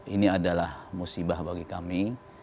ini adalah musibah bagi kami